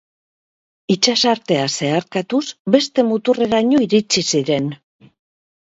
Itsasartea zeharkatuz beste muturreraino iritsi ziren.